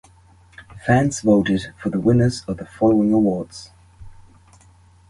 Fans voted for the winners of the following awards.